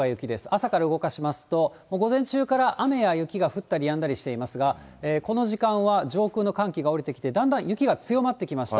朝から動かしますと、午前中から雨や雪が降ったりやんだりしていますが、この時間は上空の寒気が下りてきて、だんだん雪が強まってきました。